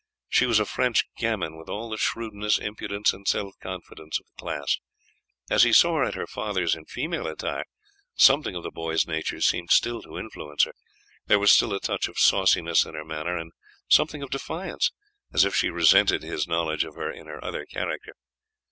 She was a French gamin, with all the shrewdness, impudence, and self confidence of the class. As he saw her at her father's in female attire something of the boy's nature seemed still to influence her. There was still a touch of sauciness in her manner, and something of defiance, as if she resented his knowledge of her in her other character.